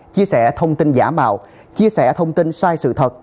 chia sẻ thông tin giả mạo chia sẻ thông tin sai sự thật